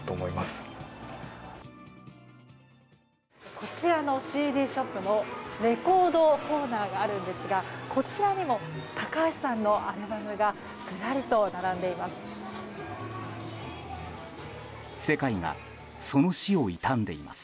こちらのＣＤショップにレコードコーナーがあるんですがこちらにも高橋さんのアルバムがずらりと並んでいます。